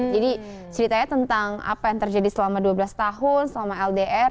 ceritanya tentang apa yang terjadi selama dua belas tahun selama ldr